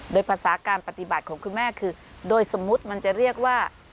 โดยภาษาการปฏิบัติของคุณแม่คือโดยสมมุติมันจะเรียกว่า